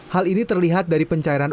hal ini terlihat dari pencairan